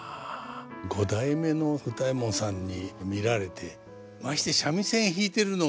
五代目の歌右衛門さんに見られてまして三味線弾いてるのが。